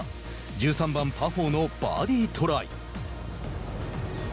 １３番、パー４のバーディートライ。